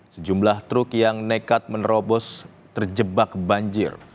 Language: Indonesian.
sejumlah truk yang nekat menerobos terjebak banjir